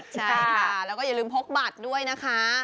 ใช่ค่ะแล้วก็อย่าลืมพกบัตรด้วยนะคะ